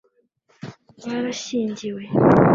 barashyingiwe